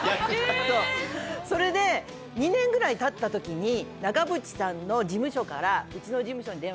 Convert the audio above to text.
それで２年ぐらいたった時に長渕さんの事務所からうちの。